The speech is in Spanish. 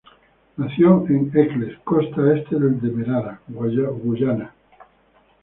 Nació en Eccles, costa este del Demerara, Guyana.